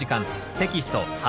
テキスト８